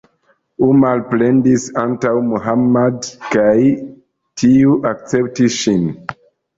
Umar plendis antaŭ Muhammad kaj tiu akceptis ŝin.